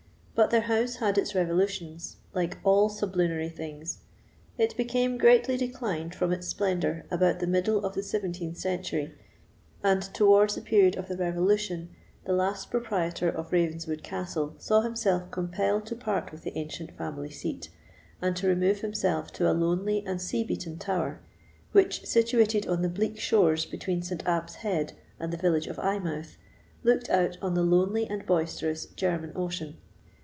But their house had its revolutions, like all sublunary things: it became greatly declined from its splendour about the middle of the 17th century; and towards the period of the Revolution, the last proprietor of Ravenswood Castle saw himself compelled to part with the ancient family seat, and to remove himself to a lonely and sea beaten tower, which, situated on the bleak shores between St. Abb's Head and the village of Eyemouth, looked out on the lonely and boisterous German Ocean.